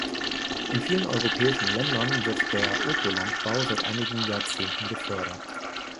In vielen europäischen Ländern wird der Ökolandbau seit einigen Jahrzehnten gefördert.